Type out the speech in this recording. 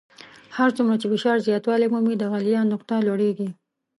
هر څومره چې فشار زیاتوالی مومي د غلیان نقطه لوړیږي.